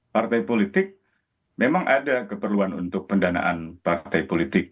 partai politik memang ada keperluan untuk pendanaan partai politik